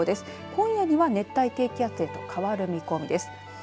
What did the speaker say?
今夜には熱帯低気圧へと変わる見込みです。